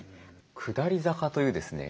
「下り坂」というですね